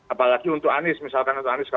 apalagi untuk anis misalkan